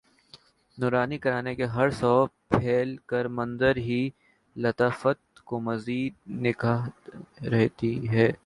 نورانی کرنیں ہر سو پھیل کر منظر کی لطافت کو مزید نکھار رہی تھیں